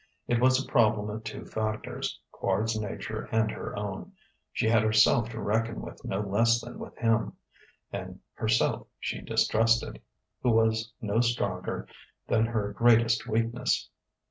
It was a problem of two factors: Quard's nature and her own; she had herself to reckon with no less than with him; and herself she distrusted, who was no stronger than her greatest weakness.